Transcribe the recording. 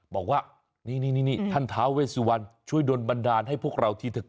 บอกว่านี่ท่านท้าเวสวันช่วยโดนบันดาลให้พวกเราทีเถอะ